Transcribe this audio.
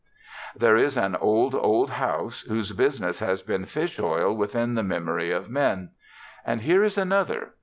There is an old, old house whose business has been fish oil within the memory of men. And here is another.